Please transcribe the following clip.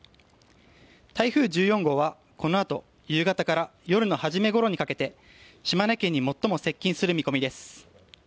台風１４号はこのあと夕方から夜初めごろにかけて島根県に最も接近する見込みです。